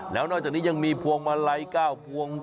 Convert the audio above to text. แล้วนอกจากนี้ยังมีพวงมาลัย๙พวง